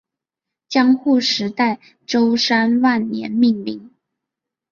江户时代舟山万年命名。